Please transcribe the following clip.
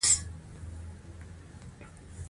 د ژوند ټوله مشغولا يې عبادت او د قران تلاوت و.